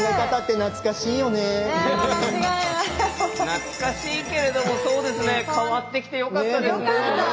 懐かしいけれどもそうですね変わってきてよかったですね。